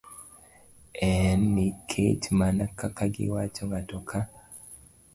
En nikech, mana kaka giwacho, ng'ato ka